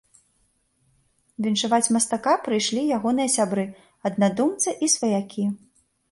Віншаваць мастака прыйшлі ягоныя сябры, аднадумцы і сваякі.